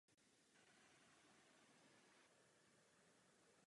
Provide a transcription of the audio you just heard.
Byl členem Dukly Praha.